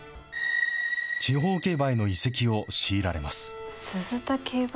地方競馬への移籍を強いられます。